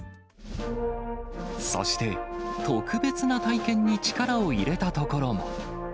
そして特別な体験に力を入れた所も。